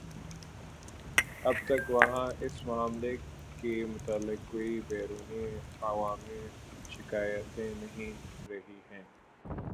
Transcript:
اب تک وہاں اس معاملے کے متعلق کوئی بیرونی عوامی شکایتیں نہیں رہی ہیں